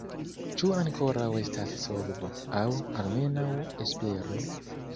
Ĉu ankoraŭ estas solvo, aŭ almenaŭ espero?